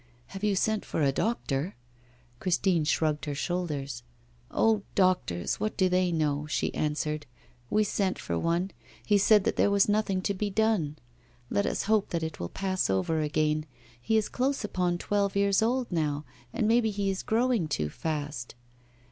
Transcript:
'Have you sent for a doctor?' Christine shrugged her shoulders. 'Oh! doctors, what do they know?' she answered. 'We sent for one; he said that there was nothing to be done. Let us hope that it will pass over again. He is close upon twelve years old now, and maybe he is growing too fast.